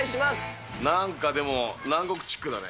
なんかでも、南国チックだね。